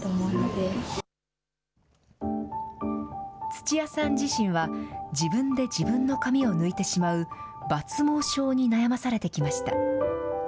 土屋さん自身は、自分で自分の髪を抜いてしまう、抜毛症に悩まされてきました。